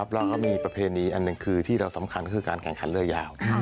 แล้วก็มีประเพณีอันหนึ่งคือที่เราสำคัญก็คือการแข่งขันเรือยาว